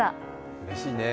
うれしいね。